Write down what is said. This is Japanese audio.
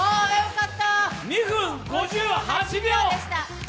２分５８秒。